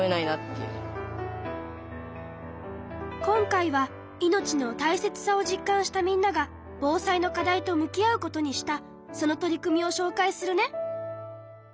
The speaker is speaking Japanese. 今回は命の大切さを実感したみんなが防災の課題と向き合うことにしたその取り組みをしょうかいするね。